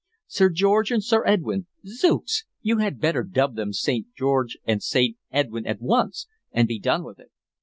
Sir George and Sir Edwyn! Zooks! you had better dub them St. George and St. Edwyn at once, and be done with it.